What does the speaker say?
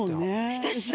したした。